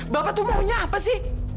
bapak tuh maunya apa sih